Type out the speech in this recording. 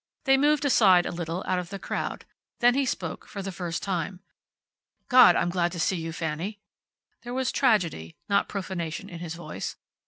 They moved aside a little, out of the crowd. Then he spoke for the first time. "God! I'm glad to see you, Fanny." There was tragedy, not profanation in his voice.